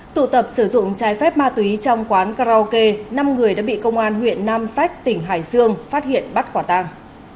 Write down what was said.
tụ tập sử dụng trái phép ma túy trong quán karaoke năm người đã bị công an huyện nam sách tỉnh hải dương phát hiện bắt quả tàng